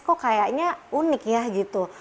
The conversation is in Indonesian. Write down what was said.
kok kayaknya unik ya gitu